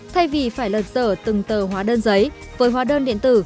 thay vì phải lật dở từng tờ hóa đơn giấy với hóa đơn điện tử